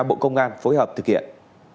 bộ công an phối hợp thực hiện